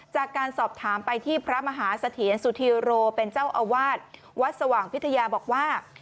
จากการสอบถามไปที่พระมหาเสถียรสุธีโรเป็นเจ้าอาวาสวัดสว่างพิทยาบอกว่า